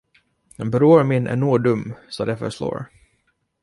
Bror min är nog dum så det förslår.